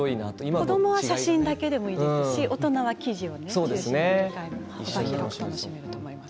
子どもは写真だけでもいいですし大人は記事も楽しめる幅広く楽しめると思います。